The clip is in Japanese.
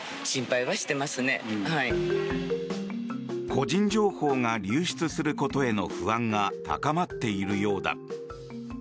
個人情報が流出することへの不安が高まっているようだ。